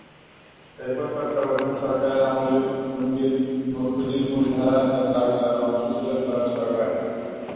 এরপর তত্ত্বাবধায়ক সরকারের আমলে হুজির মূলধারার দাবিদার অংশ ছিল ধরাছোঁয়ার বাইরে।